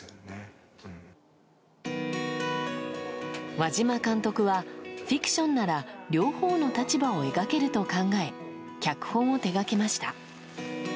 和島監督はフィクションなら両方の立場を描けると考え脚本を手がけました。